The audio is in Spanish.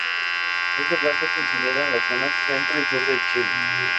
Este plato es consumido en las zonas centro y sur de Chile.